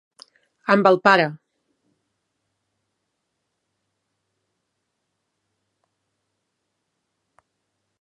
Amb el pare.